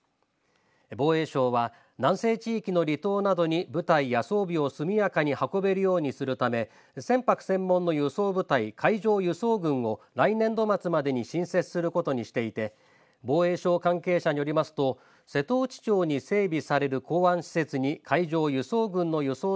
防衛省は南西地域の離島などに部隊や装備を速やかに運べるようにするため船舶専門の輸送部隊海上輸送群を来年度末までに新設することにしていて防衛省関係者によりますと瀬戸内町に整備される港湾施設に海上輸送群の送付